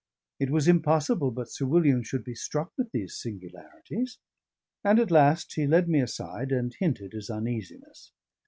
It was impossible but Sir William should be struck with these singularities; and at last he led me aside, and hinted his uneasiness.